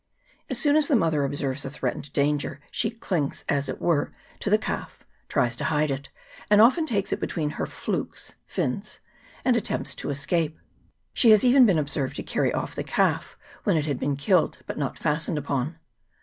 As soon as the mother observes a threatened danger, she clings, as it were, to the calf, tries to hide it, and often takes it between her flooks (fins) and attempts to escape. She has even been observed to carry off the calf when it had been killed, but not fastened upon.